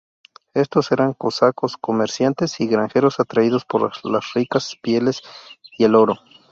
Estos eran cosacos, comerciantes y granjeros atraídos por las ricas pieles y el oro.